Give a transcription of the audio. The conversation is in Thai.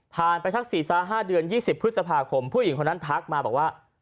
ไปสัก๔๕เดือน๒๐พฤษภาคมผู้หญิงคนนั้นทักมาบอกว่า